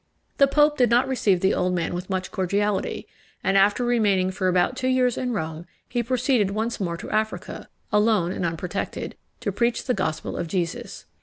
The pope did not receive the old man with much cordiality; and, after remaining for about two years in Rome, he proceeded once more to Africa, alone and unprotected, to preach the Gospel of Jesus.